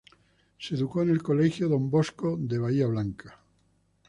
Se educó en el Colegio Don Bosco de Bahía Blanca.